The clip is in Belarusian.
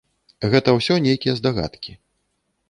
Гэта ўсё нейкія здагадкі.